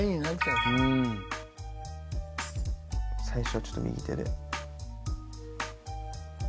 最初はちょっと右手で。